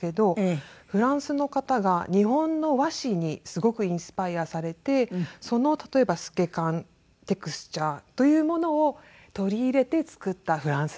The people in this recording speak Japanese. フランスの方が日本の和紙にすごくインスパイアされてその例えば透け感テクスチャーというものを取り入れて作ったフランスのもの